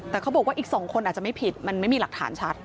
แต่เขาบอกว่าอีก๒คนอาจจะไม่ผิดมันไม่มีหลักฐานชัด